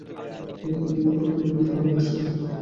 কিন্তু বিনিয়োগের দক্ষতা বৃদ্ধি করা বেশ সময়সাপেক্ষ।